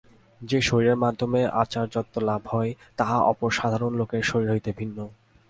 যে-শরীরের মাধ্যমে আচার্যত্ব লাভ হয়, তাহা অপর সাধারণ লোকের শরীর হইতে ভিন্ন।